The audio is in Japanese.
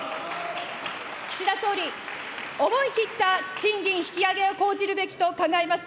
岸田総理、思い切った賃金引き上げを講じるべきと考えます。